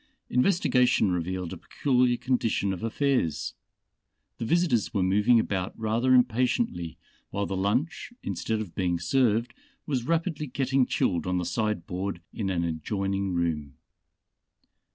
Investigation revealed a peculiar condition of affairs. The visitors were moving about rather impatiently while the lunch, instead of being served, was rapidly getting chilled on the side board in an adjoining room.